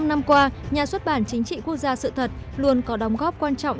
bốn mươi năm năm qua nhà xuất bản chính trị quốc gia sự thật luôn có đóng góp quan trọng